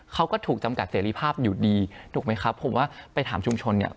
เขาก็ถูกจำกัดเสรีภาพอยู่ดีถูกไหมครับผมว่าไปถามชุมชนเนี่ย